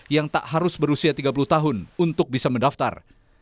yang tak harus berusia tiga puluh tahun untuk bisa mendaftar